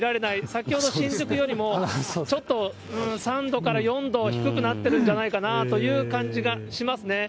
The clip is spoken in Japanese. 先ほど新宿よりも、ちょっと３度から４度低くなってるんじゃないかなという感じがしますね。